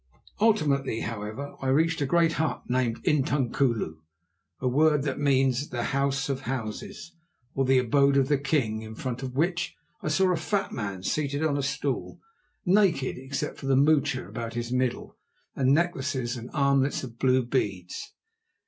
Ultimately, however, I reached a great hut named intunkulu, a word that means the "house of houses," or the abode of the king, in front of which I saw a fat man seated on a stool, naked except for the moocha about his middle and necklaces and armlets of blue beads.